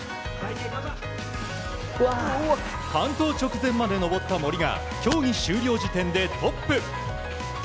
完登直前まで登った森が競技終了時点でトップ。